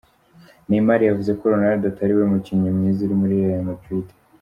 Neymar yavuze ko Ronaldo atari we mukinnyi mwiza uri muri Real Madrid.